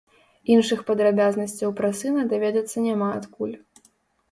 Іншых падрабязнасцяў пра сына даведацца няма адкуль.